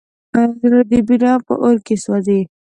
زړه د مینې په اور کې سوځي.